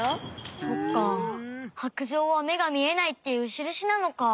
そっか白杖はめがみえないっていうしるしなのか。